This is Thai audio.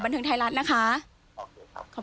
สวัสดีครับ